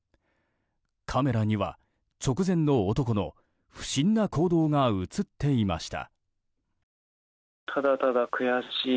カメラには直前の男の不審な行動が映っていました。